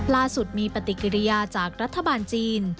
ล่าสุดมีปฏิกิริยาจากรัฐบาลจีน